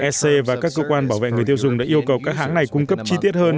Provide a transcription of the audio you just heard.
ec và các cơ quan bảo vệ người tiêu dùng đã yêu cầu các hãng này cung cấp chi tiết hơn